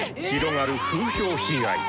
広がる風評被害。